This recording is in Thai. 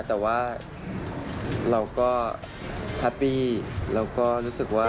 แต่ว่าเราก็แฮปปี้แล้วก็รู้สึกว่า